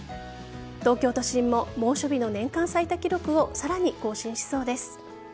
東京都心も猛暑日の年間最多記録をさらに更新しそうです。